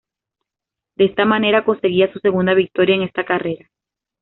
De esta manera, conseguía su segunda victoria en esta carrera.